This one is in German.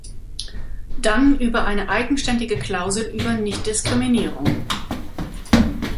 Dann über eine eigenständige Klausel über Nichtdiskriminierung.